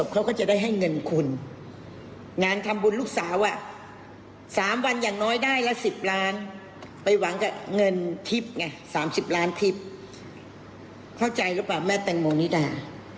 เข้าใจหรือเปล่าแม่แตงโมงนิดา